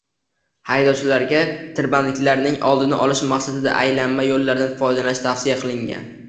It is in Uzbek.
Haydovchilarga tirbandliklarning oldini olish maqsadida aylanma yo‘llardan foydalanish tavsiya qilingan